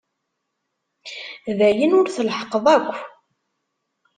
D ayen ur tleḥḥqeḍ akk.